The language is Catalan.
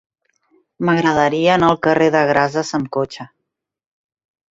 M'agradaria anar al carrer de Grases amb cotxe.